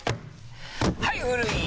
はい古い！